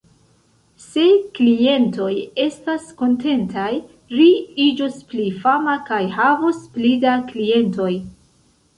Se klientoj estas kontentaj, ri iĝos pli fama kaj havos pli da klientoj.